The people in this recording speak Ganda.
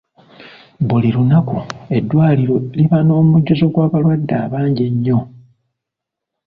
Buli lunaku eddwaliro liba n'omujjuzo gw'abalwadde abangi ennyo.